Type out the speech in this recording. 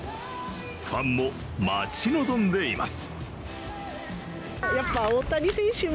ファンも待ち望んでいます。